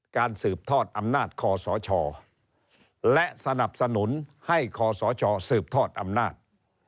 สืบทอดอำนาจคอสชและสนับสนุนให้คศสืบทอดอำนาจ